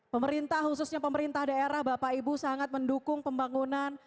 pemerintah khususnya pemerintah daerah bapak ibu sangat mendukung pembangunan